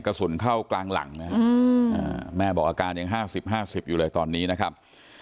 กระสุนเข้ากลางหลังนะฮะแม่บอกอาการยัง๕๐๕๐อยู่เลยตอนนี้นะครับ